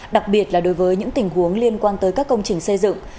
đặc biệt là đối với những tình huống liên quan tới các công trình xây dựng